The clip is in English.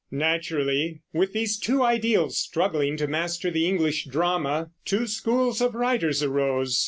Naturally, with these two ideals struggling to master the English drama, two schools of writers arose.